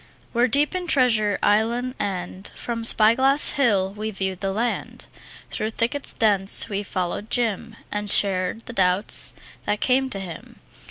We're deep in Treasure Island, and From Spy Glass Hill we've viewed the land; Through thickets dense we've followed Jim And shared the doubts that came to him.